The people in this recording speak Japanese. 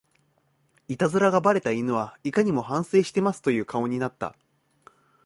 イタズラがバレた犬はいかにも反省してますという顔になった